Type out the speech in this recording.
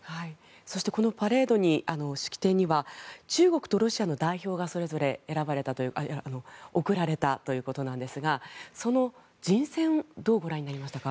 そしてこのパレードには中国とロシアの代表が送られたということなんですがその人選をどうご覧になりましたか？